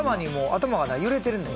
頭がな揺れてる。